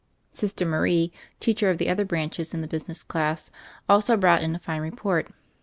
Sister Marie, teacher of the other branches in the business class, also brought in a fine re port.